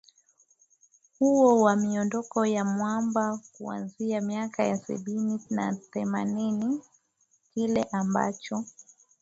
huyo wa miondoko ya mwamba kuanzia miaka ya sabini na themanini Kile ambacho